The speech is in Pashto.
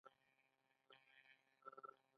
ایا زما روژه ماتیږي که ګولۍ وخورم؟